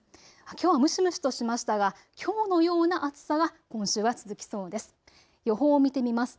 きょうは蒸し蒸しとしましたがきょうのような暑さは今週は続きそうです。